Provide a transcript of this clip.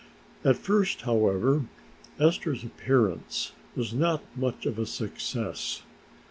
At first, however, Esther's appearance was not much of a success.